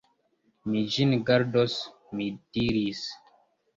Mi ĝin gardos, mi diris.